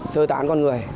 sơ tán con người